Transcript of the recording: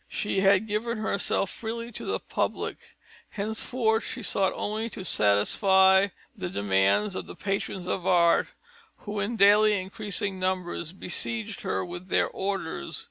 She had given herself freely to the public; henceforth she sought only to satisfy the demands of the patrons of art, who, in daily increasing numbers, besieged her with their orders.